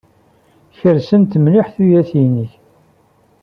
Kersent mliḥ tuyat-nnek.